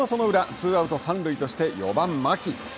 ツーアウト、三塁として４番牧。